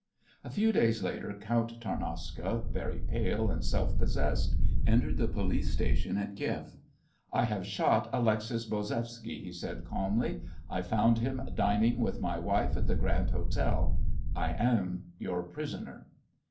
A few days later Count Tarnowska, very pale and very self possessed, entered the police station at Kieff. "I have shot Alexis Bozevsky," he said calmly. "I found him dining with my wife at the Grand Hotel. I am your prisoner."